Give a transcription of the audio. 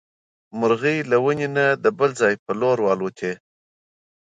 مرغۍ له ونې نه د بل ځای په لور والوتې.